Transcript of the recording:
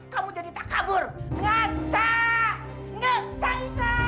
kamu jadi takabur ngancah ngancah isa